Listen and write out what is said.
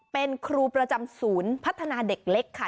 เป็นครูประจำศูนย์พัฒนาเด็กเล็กค่ะ